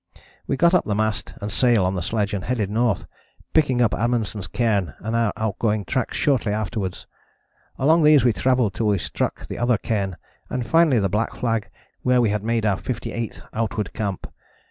We got up the mast and sail on the sledge and headed north, picking up Amundsen's cairn and our outgoing tracks shortly afterwards. Along these we travelled till we struck the other cairn and finally the black flag where we had made our 58th outward camp.